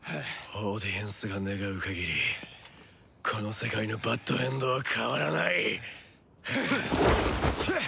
オーディエンスが願う限りこの世界のバッドエンドは変わらない！